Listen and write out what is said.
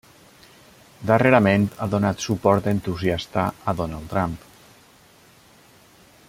Darrerament ha donat suport entusiasta a Donald Trump.